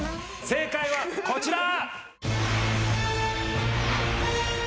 正解はこちら！